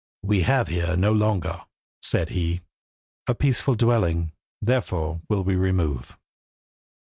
"We have here no longer," said he, "a peaceful dwelling, therefore will we remove."